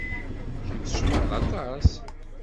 Kemm tcebḥed aṭas.